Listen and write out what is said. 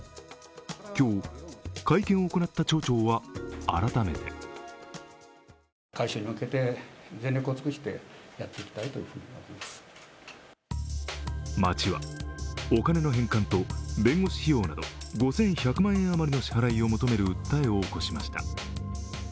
今日、会見を行った町長は改めて町はお金の返還と弁護士費用など５１００万円余りの支払いを求める訴えを起こしました。